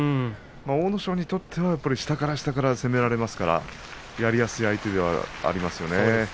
阿武咲にとっては、下から下から攻められますからやりやすい相手ではありますね。